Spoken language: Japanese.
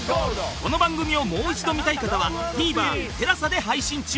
この番組をもう一度見たい方は ＴＶｅｒＴＥＬＡＳＡ で配信中